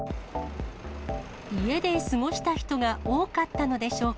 家で過ごした人が多かったのでしょうか。